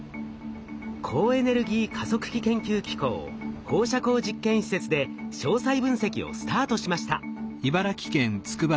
高エネルギー加速器研究機構放射光実験施設で詳細分析をスタートしました。